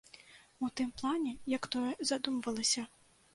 У тым плане, як тое задумвалася.